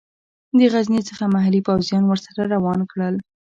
د غزني څخه محلي پوځیان ورسره روان کړل.